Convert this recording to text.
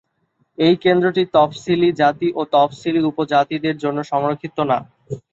এই কেন্দ্রটি তফসিলি জাতি ও তফসিলী উপজাতিদের জন্য সংরক্ষিত না।